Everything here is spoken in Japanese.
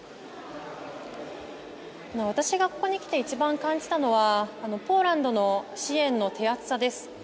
私がここに来て一番感じたのはポーランドの支援の手厚さです。